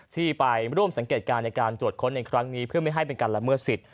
ที่ไปร่วมสังเกตการณ์ในการตรวจค้นในครั้งนี้เพื่อไม่ให้เป็นการละเมิดสิทธิ